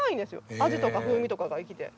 味とか風味とかが生きて。